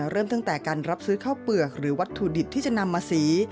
เริ่มตั้งแต่การรับซื้อข้าวเปลือกหรือวัตถุดิบที่จะนำมาสี